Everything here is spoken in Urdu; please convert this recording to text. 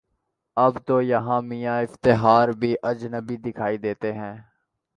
اب تویہاں میاں افتخار بھی اجنبی دکھائی دیتے ہیں۔